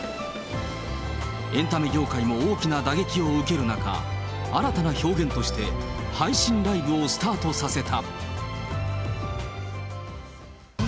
エンタメ業界も大きな打撃を受ける中、新たな表現として配信ライブをスタートさせた。